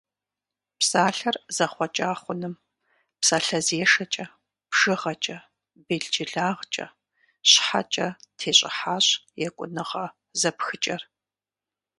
Псалъэр зэхъуэкӏа хъуным – псалъэзешэкӏэ, бжыгъэкӏэ, белджылагъкӏэ, щхьэкӏэ тещӏыхьащ екӏуныгъэ зэпхыкӏэр.